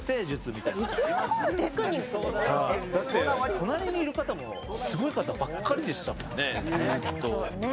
隣にいる方もすごい方ばっかりでしたもんね、ずっと。